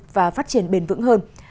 và phát triển bền vững hơn